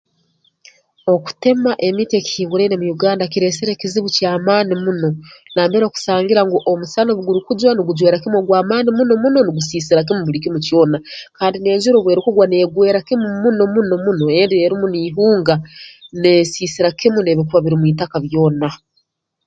Okutema emiti ekihinguraine mu Uganda kireesire ekizibu ky'amaani muno nambere okusangira ngu omusana obu gurukujwa nugujwera kimu ogw'amaani muno muno nigusiisira kimu buli kimu kyona kandi n'enjura obu erukugwa neegwera kimu muno muno muno obu erumu niihunga neesiisira kimu n'ebirukuba biri mu itaka byona